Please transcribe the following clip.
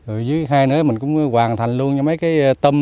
rồi dưới hai nữa mình cũng hoàn thành luôn cho mấy cái tâm